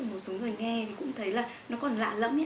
một số người nghe thì cũng thấy là nó còn lạ lẫm ấy